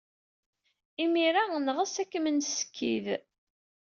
Imir-a, neɣs ad kem-nessekyed.